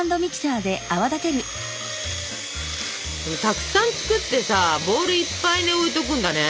たくさん作ってさボールいっぱいに置いとくんだね。